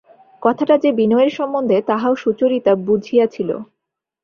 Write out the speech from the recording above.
কথাটা যে বিনয়ের সম্বন্ধে তাহাও সুচরিতা বঝিয়াছিল।